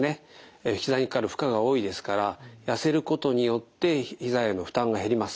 ひざにかかる負荷が多いですから痩せることによってひざへの負担が減ります。